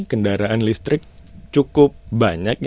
kendaraan listrik cukup banyak